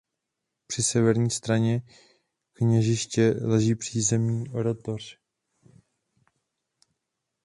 Při severní straně kněžiště leží přízemní oratoř.